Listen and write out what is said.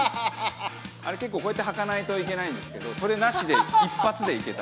あれ結構、こうやって履かないといけないんですけど、それで一発でいけた。